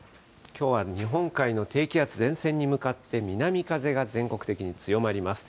きょうは日本海の低気圧、前線に向かって、南風が全国的に強まります。